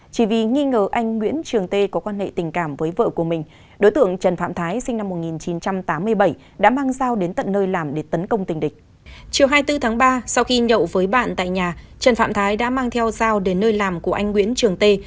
chiều hai mươi bốn tháng ba sau khi nhậu với bạn tại nhà trần phạm thái đã mang theo dao đến nơi làm của anh nguyễn trường tê